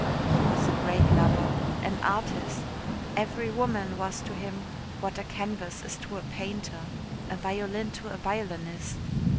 He was a great lover, an artist. Every woman was to him what a canvas is to a painter, a violin to a violinist.